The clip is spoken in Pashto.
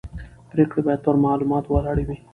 پرېکړې باید پر معلوماتو ولاړې وي